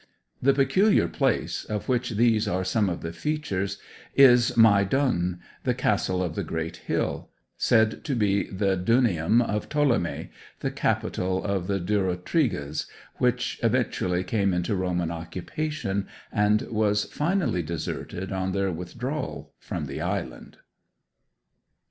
The peculiar place of which these are some of the features is 'Mai Dun,' 'The Castle of the Great Hill,' said to be the Dunium of Ptolemy, the capital of the Durotriges, which eventually came into Roman occupation, and was finally deserted on their withdrawal from the island.